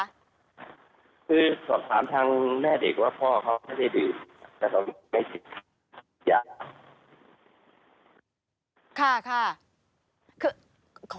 คือสอบถามทางแม่เด็กว่าพ่อเขาไม่ได้ดื่มแต่เขาไม่สิทธิ์